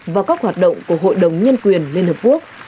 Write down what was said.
vào các hoạt động của hội đồng nhân quyền liên hợp quốc